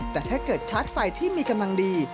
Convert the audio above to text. แต่ถ้าเกิดชาร์จไฟที่มีกำลังดี